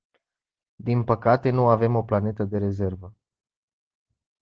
Din păcate, nu avem o planetă de rezervă.